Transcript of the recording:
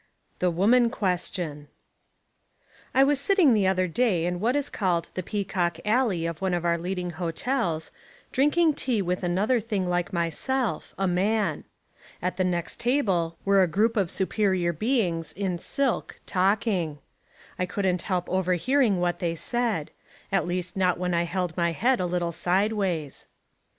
— The Woman Question I WAS sitting the other day in what is called the Peacock Alley of one of our leading hotels, drinking tea with another thing like myself, a man. At the next table were a group of Superior Beings in silk, talking, I couldn't help overhearing what they said — at least not when I held my head a little side ways.